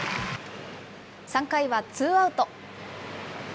３回はツーアウト。